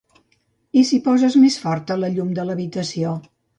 I si poses més forta la llum a l'habitació?